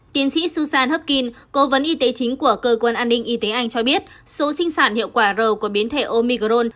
tiến sĩ susan hopkins cố vấn y tế chính của cơ quan an ninh y tế anh cho biết số sinh sản hiệu quả rầu của biến thể omicron